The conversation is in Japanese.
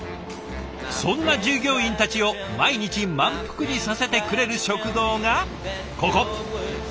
そんな従業員たちを毎日満腹にさせてくれる食堂がここ。